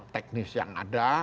teknis yang ada